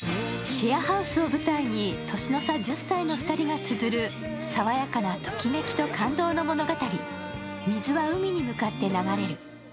シェアハウスを舞台に年の差１０歳の２人がつづる爽やかなときめきと感動の物語。